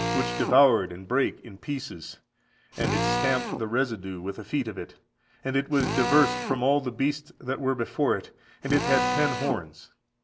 which devoured and brake in pieces, and it stamped the residue with the feet of it; and it was diverse from all the beasts that were before it, and it had ten horns.